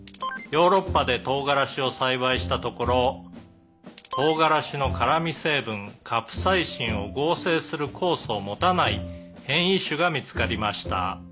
「ヨーロッパで唐辛子を栽培したところ唐辛子の辛味成分カプサイシンを合成する酵素を持たない変異種が見つかりました」